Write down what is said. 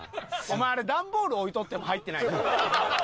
お前あれ段ボール置いとっても入ってない。